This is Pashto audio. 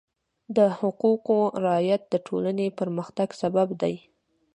د حقوقو رعایت د ټولنې پرمختګ سبب دی.